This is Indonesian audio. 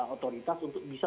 otoritas untuk bisa